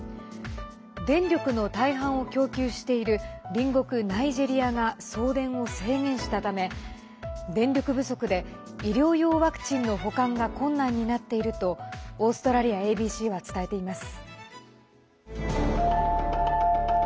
電力の大半を供給している隣国ナイジェリアが送電を制限したため、電力不足で医療用ワクチンの保管が困難になっているとオーストラリアＡＢＣは伝えています。